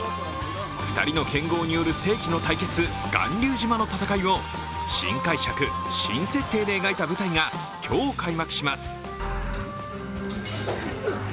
２人の剣豪による世紀の対決巌流島の戦いを新解釈・新設定で描いた舞台が今日開幕します。